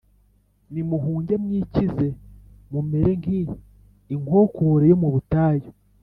Nimuhunge mwikize mumere nki inkokore yo mubutayu